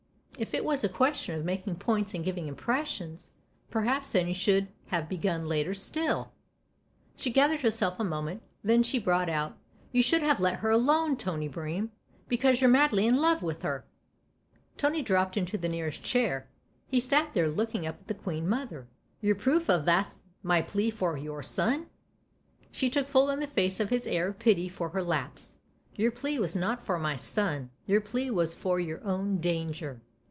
" If it was a question of making points and giving impressions, perhaps then you should have begun later still !" She gathered herself a moment ; then she brought out :" You should have let her alone, Tony Bream, because you're madly in love with her !" Tony dropped into the nearest chair ; he sat there looking up at the queen mother. "Your proof of that's my plea for your son ?" She took full in the face his air of pity for her lapse. " Your plea was not for my son your plea was for your own danger."